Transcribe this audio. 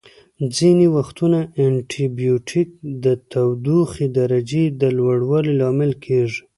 ځینې وختونه انټي بیوټیک د تودوخې درجې د لوړوالي لامل کیږي.